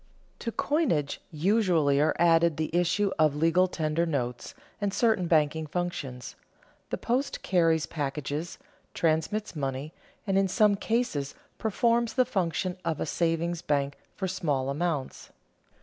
To coinage usually are added the issue of legal tender notes and certain banking functions; the post carries packages, transmits money, and in some cases performs the function of a savings bank for small amounts.